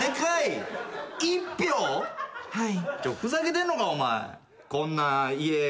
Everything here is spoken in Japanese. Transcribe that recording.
はい？